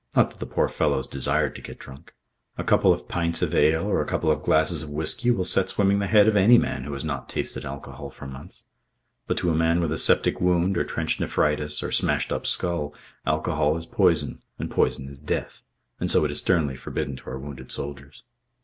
Not that the poor fellows desired to get drunk. A couple of pints of ale or a couple of glasses of whisky will set swimming the head of any man who has not tasted alcohol for months. But to a man with a septic wound or trench nephritis or smashed up skull, alcohol is poison and poison is death, and so it is sternly forbidden to our wounded soldiers.